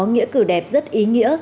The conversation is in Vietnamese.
nghĩa cử đẹp rất ý nghĩa